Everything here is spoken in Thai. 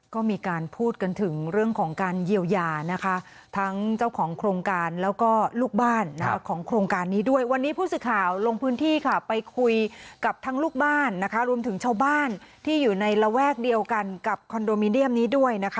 ก็มีการพูดกันถึงเรื่องของการเยียวยานะคะทั้งเจ้าของโครงการแล้วก็ลูกบ้านของโครงการนี้ด้วยวันนี้ผู้สื่อข่าวลงพื้นที่ค่ะไปคุยกับทั้งลูกบ้านนะคะรวมถึงชาวบ้านที่อยู่ในระแวกเดียวกันกับคอนโดมิเนียมนี้ด้วยนะคะ